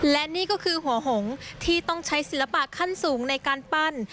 และนี่ก็คือหัวหงที่ต้องใช้ศิลปะขั้นสูงในการปั้น